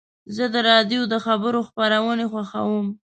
زه د راډیو د خبرو خپرونې خوښوم.